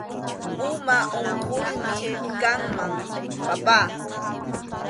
Ima unquymi kanman, papá